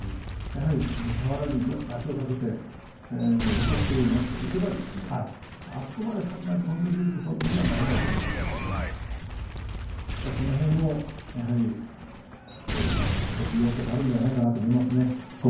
俵に足をかけて残していけばあそこまで飛んでいくことにはならないはずなんですがその辺、少し要素があるんじゃないかなと思います。